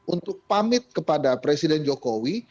untuk pamit kepada presiden jokowi